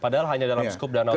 padahal hanya dalam skup danau